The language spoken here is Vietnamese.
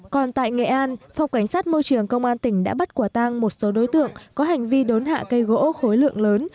còn tại nghệ an phòng cảnh sát môi trường công an tỉnh đã bắt quả tang một số đối tượng có hành vi đốn hạ cây gỗ khối lượng lớn